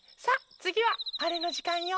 つぎはあれのじかんよ！